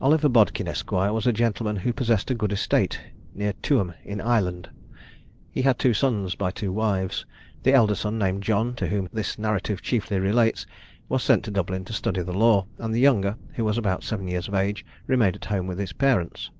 Oliver Bodkin, Esq. was a gentleman who possessed a good estate near Tuam, in Ireland. He had two sons by two wives. The elder son, named John, to whom this narrative chiefly relates, was sent to Dublin to study the law; and the younger, who was about seven years of age, remained at home with his parents.